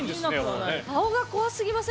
顔が怖すぎません？